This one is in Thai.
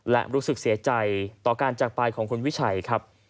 และรู้สึกเสียใจต่อการจากไปของคุณวิชัยครับ